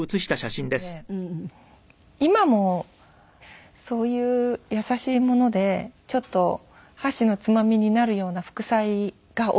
今もそういう優しいものでちょっと箸のつまみになるような副菜が多いんですよね。